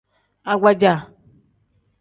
Agbaja.